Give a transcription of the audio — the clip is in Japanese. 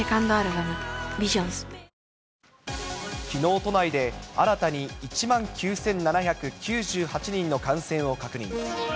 きのう都内で、新たに１万９７９８人の感染を確認。